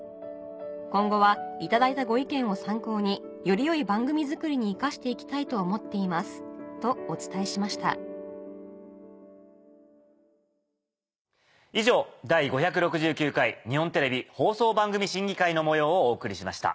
「今後は頂いたご意見を参考により良い番組作りに生かしていきたいと思っています」とお伝えしました以上「第５６９回日本テレビ放送番組審議会」の模様をお送りしました。